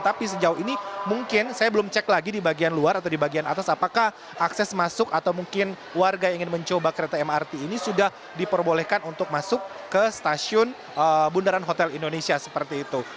tapi sejauh ini mungkin saya belum cek lagi di bagian luar atau di bagian atas apakah akses masuk atau mungkin warga ingin mencoba kereta mrt ini sudah diperbolehkan untuk masuk ke stasiun bundaran hotel indonesia seperti itu